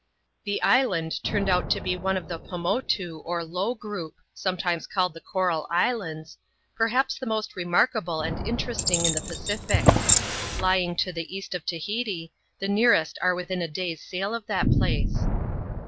The island turned out to be one of the Fomotu or Low Group — sometimes called the Coral Islands — perhaps the most re markable and interesting in the Pacific. L3dng to the east of Tahiti, the nearest are within a day's sail of that place.